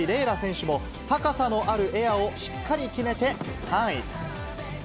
楽選手も高さのあるエアをしっかり決めて３位。